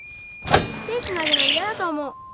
手つなぐの嫌だと思う。